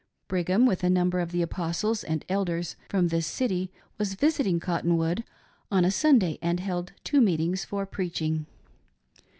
Brig ham, with a number of the Apostles and Elders from this city, was visiting Cot tonwood on a Sunday and held two meetings for preaching.